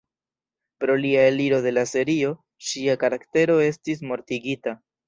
Pro lia eliro de la serio, ŝia karaktero estis mortigita.